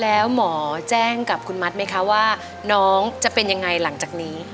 แล้วหมอแจ้งกับคุณมัดไหมคะว่าน้องจะเป็นยังไงหลังจากนี้